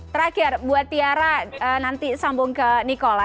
terakhir buat tiara nanti sambung ke nikola